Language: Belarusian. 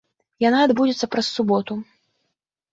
Яна адбудзецца праз суботу.